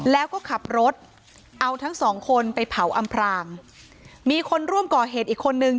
แล้วก็ขับรถเอาทั้งสองคนไปเผาอำพรางมีคนร่วมก่อเหตุอีกคนนึง